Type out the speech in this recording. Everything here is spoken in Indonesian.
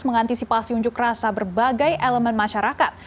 mengantisipasi unjuk rasa berbagai elemen masyarakat